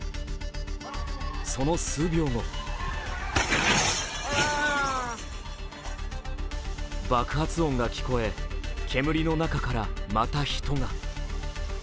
その数秒後爆発音が聞こえ、煙の中からまた人が。